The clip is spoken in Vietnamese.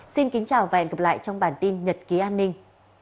xin kính chào và hẹn gặp lại trong bản tin nhật ký an ninh